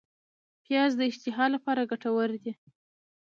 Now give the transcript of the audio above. پیاز د اشتها لپاره ګټور دی